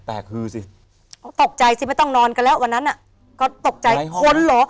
แต่คือสิตกใจสิไม่ต้องนอนกันแล้ววันนั้นอ่ะก็ตกใจคนเหรอ